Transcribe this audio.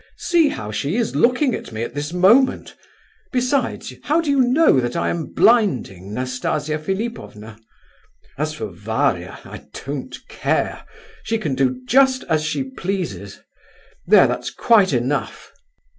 See how she is looking at me at this moment! Besides, how do you know that I am blinding Nastasia Philipovna? As for Varia, I don't care—she can do just as she pleases. There, that's quite enough!"